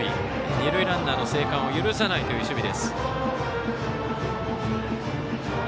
二塁ランナーの生還を許さないという守備。